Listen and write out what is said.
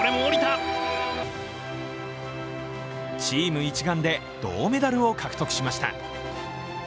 チーム一丸で銅メダルを獲得しました。